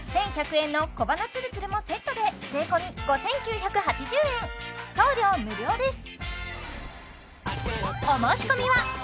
１１００円の小鼻つるつるもセットで税込５９８０円送料無料です